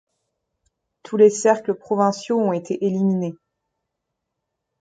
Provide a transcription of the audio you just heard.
Tous les cercle provinciaux ont été éliminés.